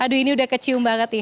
aduh ini udah kecium banget nih